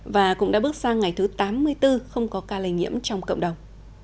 và cũng đã bước sang ngày thứ tám mươi bốn không có ca lây nhiễm trong cộng đồng